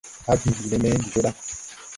Hãã bìin lɛ me ndi joo ɗa.